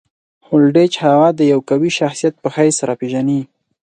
هولډیچ هغه د یوه قوي شخصیت په حیث راپېژني.